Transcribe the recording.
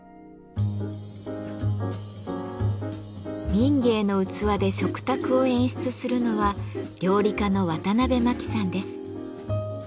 民藝の器で食卓を演出するのは料理家のワタナベマキさんです。